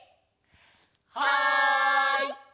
はい！